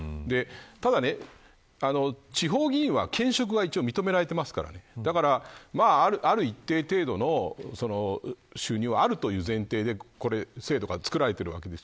ただ、地方議員は兼職が一応認められていますからある一定程度の収入があるという前提で制度がつくられているわけです。